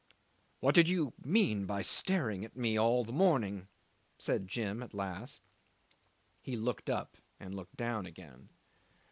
..." '"What did you mean by staring at me all the morning?" said Jim at last. He looked up and looked down again.